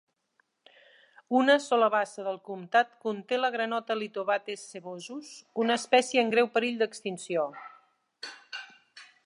Una sola bassa del comtat conté la granota Lithobates sevosus, una espècie en greu perill d"extinció.